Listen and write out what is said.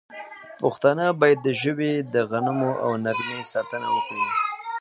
پښتانه باید د ژبې د غنمو او نغمې ساتنه وکړي.